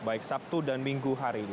baik sabtu dan minggu hari ini